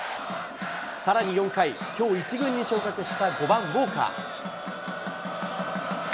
さらに４回、きょう１軍に昇格した５番ウォーカー。